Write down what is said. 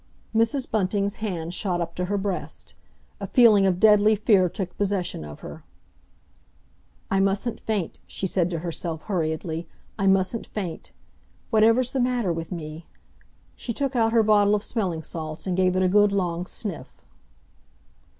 Mrs. Bunting's hand shot up to her breast. A feeling of deadly fear took possession of her. "I mustn't faint," she said to herself hurriedly. "I mustn't faint! Whatever's the matter with me?" She took out her bottle of smelling salts, and gave it a good, long sniff.